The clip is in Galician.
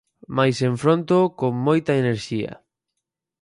Mais enfróntoo con moita enerxía.